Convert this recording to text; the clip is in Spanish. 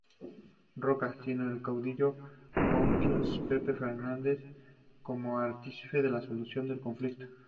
Roca, sino al caudillo boquense Pepe Fernández como artífice de la solución del conflicto.